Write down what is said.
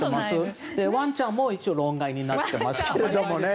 ワンちゃんも一応論外になっていますけどね